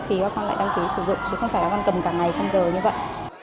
thì các bạn lại đăng ký sử dụng chứ không phải các bạn cầm cả ngày trong giờ như vậy